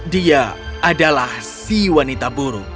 dia adalah si wanita buruk